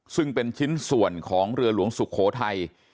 ซึ่งเป็นชิ้นส่วนของเรือหลวงสุโขทัย